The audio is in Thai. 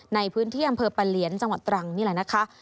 ในพื้นที่อำเภอปะเหลียนจังหวัดตรังนี่แหละนะคะ